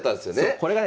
これがね